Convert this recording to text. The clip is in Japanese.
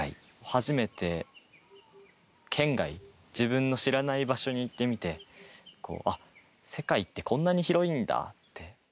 初めて県外、自分の知らない場所に行ってみて、あっ、世界ってこんなに広いんだって。